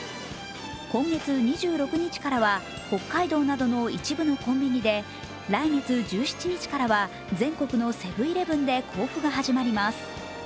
今月２６日からは北海道などの一部のコンビニで来月１７日からは全国のセブン−イレブンで交付が始まります。